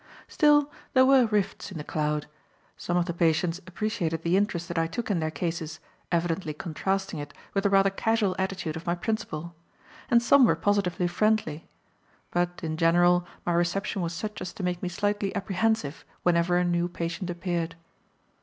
Still, there were rifts in the cloud. Some of the patients appreciated the interest that I took in their cases, evidently contrasting it with the rather casual attitude of my principal, and some were positively friendly. But, in general, my reception was such as to make me slightly apprehensive whenever a new patient appeared.